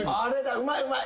うまいうまい。